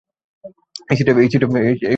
এই সিটে কেউ আছে?